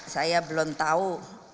saya belum tahu